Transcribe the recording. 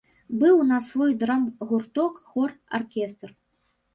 Быў у нас свой драмгурток, хор, аркестр.